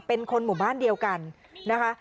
เป็นคนหมู่บ้านเดียวกันนะคะ